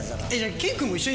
健君も一緒に。